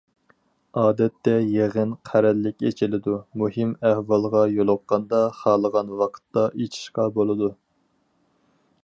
ئادەتتە يىغىن قەرەللىك ئېچىلىدۇ، مۇھىم ئەھۋالغا يولۇققاندا خالىغان ۋاقىتتا ئېچىشقا بولىدۇ.